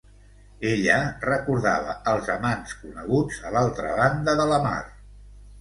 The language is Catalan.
Ella recordava els amants coneguts a l’altra banda de la mar.